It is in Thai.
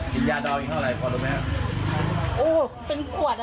กินยาดอลเงียวเท่าไรพอถึงไหมฮะ